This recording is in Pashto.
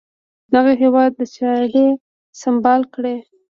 دغه هیواد چاري سمبال کړي.